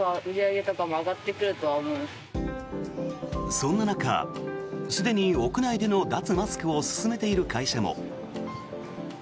そんな中、すでに屋内での脱マスクを進めている会社も。